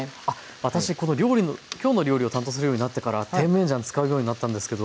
私この「きょうの料理」を担当するようになってから甜麺醤使うようになったんですけど。